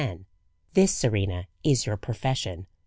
This, Serena, is your profession.